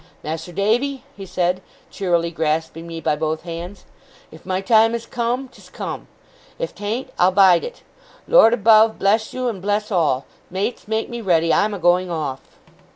'Mas'r Davy,' he said, cheerily grasping me by both hands, 'if my time is come, 'tis come. If 'tan't, I'll bide it. Lord above bless you, and bless all! Mates, make me ready! I'm a going off!